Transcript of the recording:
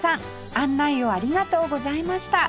案内をありがとうございました